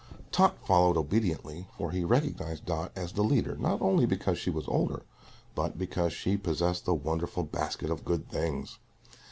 Tot followed obediently, for he recognized Dot as the leader not only because she was older, but because she possessed the wonderful basket of good things.